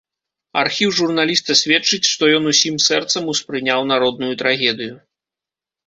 Архіў журналіста сведчыць, што ён усім сэрцам успрыняў народную трагедыю.